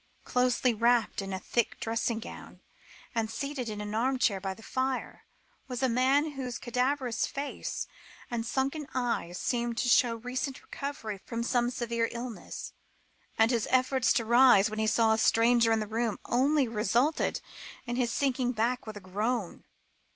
Closely wrapped in a thick dressing gown, and seated in an armchair by the fire, was a man whose cadaverous face and sunken eyes seemed to show recent recovery from some severe illness; and his efforts to rise, when he saw a stranger at the door, only resulted in his sinking back with a groan.